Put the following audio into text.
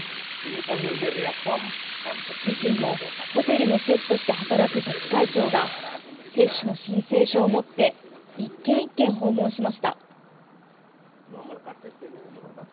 自身もホテルのシェフとして働く自治会長が接種の申請書を持って一軒一軒、訪問しました。